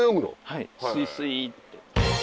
はいスイスイって。